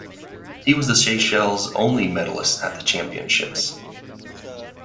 He was the Seychelles only medallist at the championships.